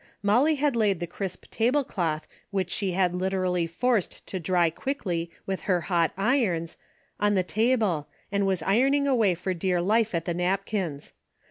Molly had laid the crisp tablecloth which she had literally forced to dry quickly with her hot irons, on the table and was ironing away for dear life at the nap kins.